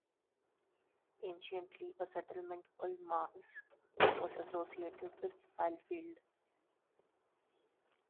Anciently a settlement called "Mars" was associated with Falfield.